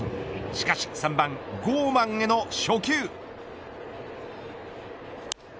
しかし、３番、ゴーマンへの初球。